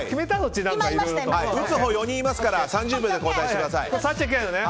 打つのが４人にいますから３０秒で後退してください。